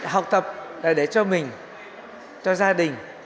học tập là để cho mình cho gia đình